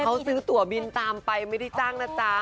เขาซื้อตัวบินตามไปไม่ได้จ้างนะจ๊ะ